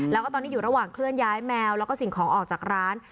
แล้วก็ตอนนี้อยู่ระหว่างเคลื่อนย้ายแมวแล้วก็สิ่งของออกจากร้าน